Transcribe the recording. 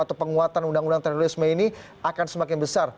atau penguatan undang undang terorisme ini akan semakin besar